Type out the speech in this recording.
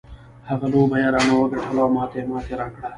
هغه لوبه یې رانه وګټله او ما ته یې ماتې راکړه.